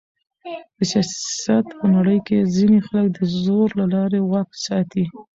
د سیاست په نړۍ کښي ځينې خلک د زور له لاري واک ساتي.